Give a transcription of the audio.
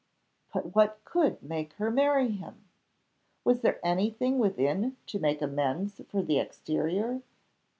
But what could make her marry him? Was there anything within to make amends for the exterior?